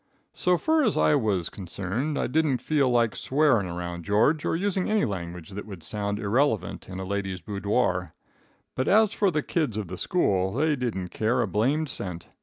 "So fur as I was concerned, I didn't feel like swearing around George or using any language that would sound irrelevant in a ladies' boodore; but as for the kids of the school, they didn't care a blamed cent.